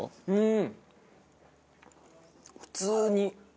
うん。